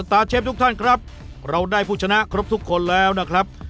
ตาร์เชฟทุกท่านครับเราได้ผู้ชนะครบทุกคนแล้วนะครับ